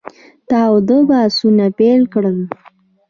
تاوده بحثونه پیل کړل.